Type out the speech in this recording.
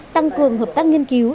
tăng cường hợp tác nghiên cứu